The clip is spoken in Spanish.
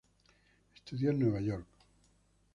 Estudió en Nueva York.